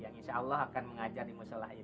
yang insya allah akan mengajar di musyelah ini